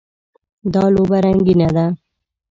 دا لوبه رنګینه ده.